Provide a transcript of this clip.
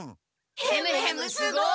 ヘムヘムすごい！